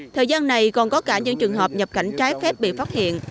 thời gian này còn có cả những trường hợp nhập cảnh trái phép bị phát hiện